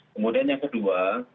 kemudian yang kedua